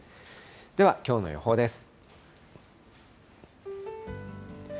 では、きょうの予報です。